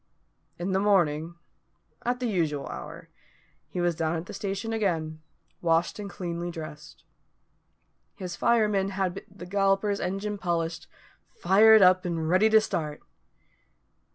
In the morning, at the usual hour, he was down at the station again, washed and cleanly dressed. His fireman had the Galloper's engine polished, fired up, and ready to start.